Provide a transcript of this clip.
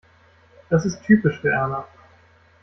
Das ist typisch für Erna.